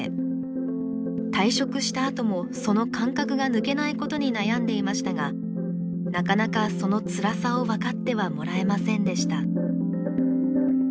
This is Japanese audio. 退職したあともその感覚が抜けないことに悩んでいましたがなかなかそのつらさを分かってはもらえませんでした。